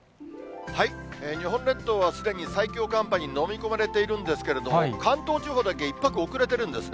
日本列島はすでに最強寒波に飲み込まれているんですけれども、関東地方だけ１拍遅れてるんですね。